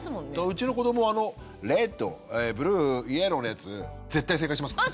うちの子どもはあのレッド・ブルー・イエローのやつ絶対正解しますからね。